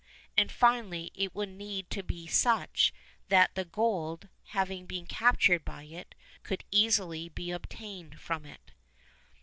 And, finally, it would need to be such that the gold, having been captured by it, could be easily obtained from it.